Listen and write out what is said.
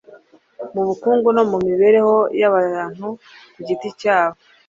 mu bukungu no mu mibereho y’abantu ku giti cyabo.